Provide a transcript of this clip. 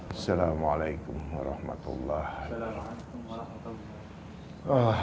assalamualaikum warahmatullahi wabarakatuh